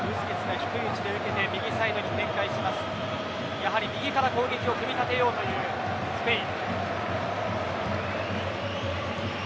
やはり、右から攻撃を組み立てようというスペイン。